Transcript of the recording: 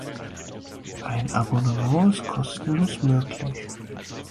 Ein Abonnement ist kostenlos möglich.